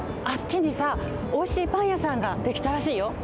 あっちにさおいしいパンやさんができたらしいよ。